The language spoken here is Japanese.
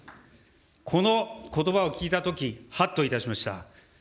このことばを聞いたとき、はっといたしました。